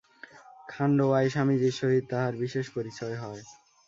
খাণ্ডোয়ায় স্বামীজীর সহিত তাঁহার বিশেষ পরিচয় হয়।